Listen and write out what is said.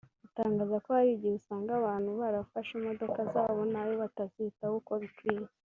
utangaza ko hari igihe usanga abantu barafashe imodoka zabo nabi batazitaho uko bikwiye